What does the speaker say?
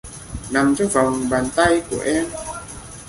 Nằm trong vòng Bàn Tay Của Em